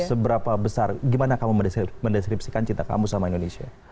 seberapa besar gimana kamu mendeskripsikan cinta kamu sama indonesia